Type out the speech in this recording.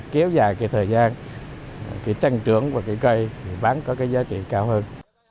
kéo dài thời gian tăng trưởng và cây bán có giá trị cao hơn